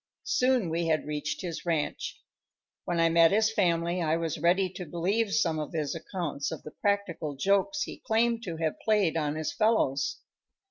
Soon we had reached his ranch. When I met his family I was ready to believe some of his accounts of the practical jokes he claimed to have played on his fellows.